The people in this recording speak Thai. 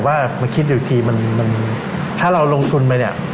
แล้วคิดอยู่ทีถ้าเราลงทุนไปเนี่ย